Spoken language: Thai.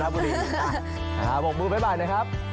โบบุบใบบอยนะครับ